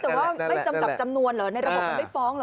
แต่ว่าไม่จำกัดจำนวนเหรอในระบบมันไม่ฟ้องเหรอ